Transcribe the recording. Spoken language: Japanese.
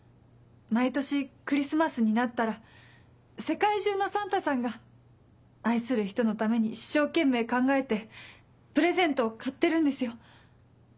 毎年クリスマスになったら世界中のサンタさんが愛する人のために一生懸命考えてプレゼントを買ってるんですよ。